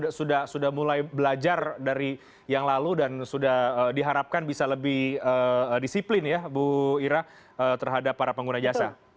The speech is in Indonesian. sudah mulai belajar dari yang lalu dan sudah diharapkan bisa lebih disiplin ya bu ira terhadap para pengguna jasa